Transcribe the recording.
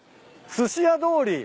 「寿司屋通り」